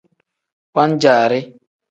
Wan-jaari.